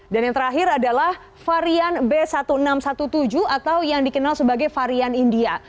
dan yang terakhir adalah varian b satu enam satu tujuh atau yang dikenal sebagai varian india